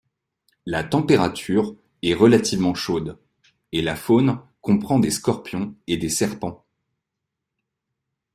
La température est relativement chaude et la faune comprend des scorpions et des serpents.